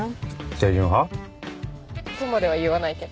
清純派？とまでは言わないけど。